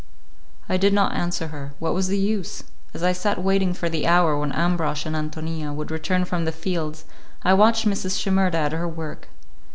I did not answer her; what was the use? As I sat waiting for the hour when Ambrosch and Ántonia would return from the fields, I watched Mrs. Shimerda at her work.